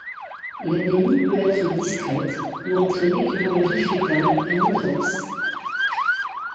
L'anémie peut être discrète ou entraîner durant la vie fœtale un hydrops.